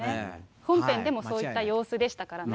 本編でもそういった様子でしたからね。